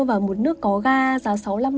và một nước có ga giá sáu mươi năm